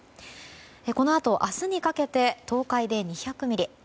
このあと明日にかけて東海で２００ミリ